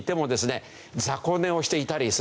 雑魚寝をしていたりするとね